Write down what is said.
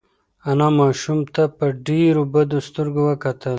انا ماشوم ته په ډېرو بدو سترګو وکتل.